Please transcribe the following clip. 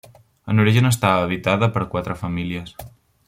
En origen estava habitada per quatre famílies.